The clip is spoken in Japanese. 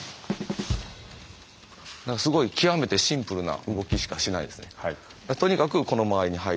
すごい極めてシンプルな動きしかしないですね。